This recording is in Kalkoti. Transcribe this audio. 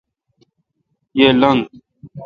یہ۔ لنگ